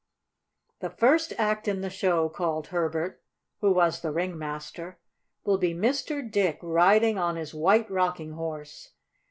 "The first act in the show!" called Herbert, who was the ringmaster, "will be Mr. Dick riding on his White Rocking Horse!